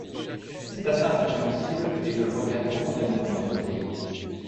C’est assez incompréhensible, et je le regrette profondément pour notre pays.